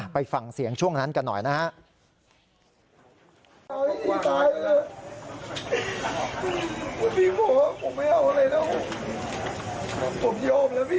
ไปฟังเสียงช่วงนั้นกันหน่อยนะฮะ